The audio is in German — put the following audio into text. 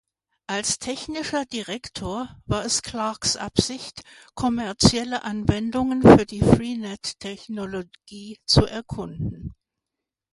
Als Technischer Direktor war es Clarkes Absicht, kommerzielle Anwendungen für die Freenet-Technologie zu erkunden.